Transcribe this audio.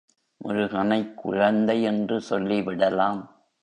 முருகனைக் குழந்தை என்று சொல்லிவிடலாம்.